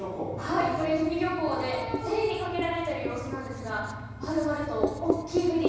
氷見漁港で、競りにかけられている様子なんですが丸々と大きいブリ